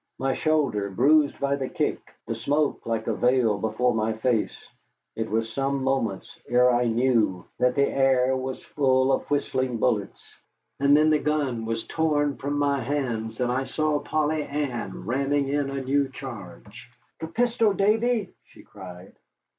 My shoulder bruised by the kick, the smoke like a veil before my face, it was some moments ere I knew that the air was full of whistling bullets; and then the gun was torn from my hands, and I saw Polly Ann ramming in a new charge. "The pistol, Davy," she cried.